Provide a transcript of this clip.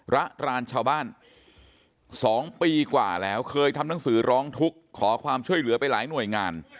ระรานชาวบ้าน๒ปีกว่าแล้วเคยทำหนังสือร้องทุกข์ขอความช่วยเหลือไปหลายหน่วยงาน